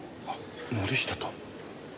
森下と。